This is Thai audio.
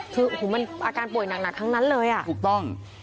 คือโอ้โหมันอาการป่วยหนักทั้งนั้นเลยอ่ะถูกต้อง